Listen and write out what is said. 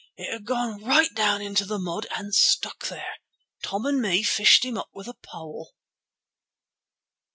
It had gone right down into the mud and stuck there. Tom and me fished him up with a pole."